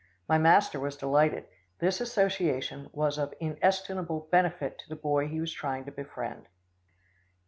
My master was delighted. This association was of inestimable benefit to the boy he was trying to befriend.